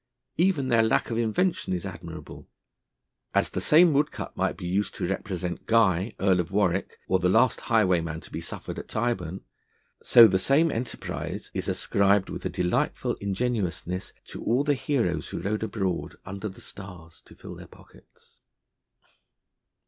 Even their lack of invention is admirable: as the same woodcut might be used to represent Guy, Earl of Warwick, or the last highwayman who suffered at Tyburn, so the same enterprise is ascribed with a delightful ingenuousness to all the heroes who rode abroad under the stars to fill their pockets.